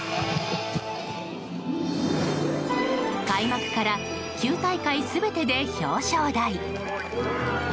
開幕から９大会全てで表彰台。